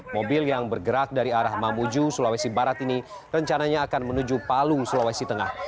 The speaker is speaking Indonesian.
mobil yang bergerak dari arah mamuju sulawesi barat ini rencananya akan menuju palu sulawesi tengah